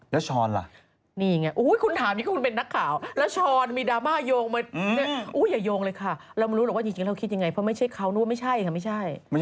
แต่ช้อนเคยร้องไห้เสียใจนะ